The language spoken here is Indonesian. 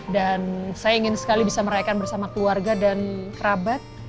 dan saya ingin sekali bisa meraihkan bersama keluarga dan kerabat